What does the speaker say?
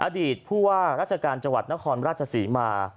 อดีตผู้ว่าราชการจังหวัดนครราชศรีมา